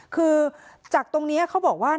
คือจากตรงนี้เขาบอกว่า